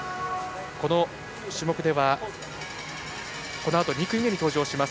この種目ではこのあと２組目に登場します